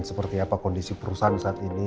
seperti apa kondisi perusahaan saat ini